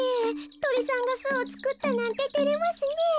トリさんがすをつくったなんててれますねえ。